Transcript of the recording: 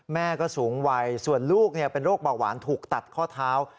แม่ก็สูงวัยส่วนลูกเป็นโรคเบาหวานถูกตัดข้อเท้า